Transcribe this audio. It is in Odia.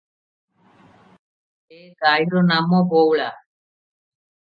ଏ ଗାଈର ନାମ ବଉଳା ।